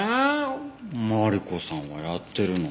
マリコさんはやってるのに。